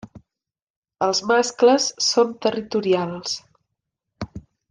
Els mascles són territorials.